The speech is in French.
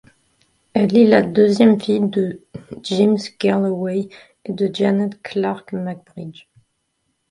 Elle est la deuxième fille de James Galloway et de Janet Clark McBride.